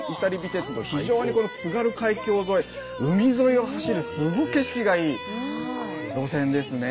鉄道非常にこの津軽海峡沿い海沿いを走るすごい景色がいい路線ですね。